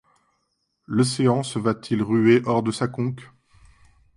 L’océan se va-t-il ruer hors de sa conque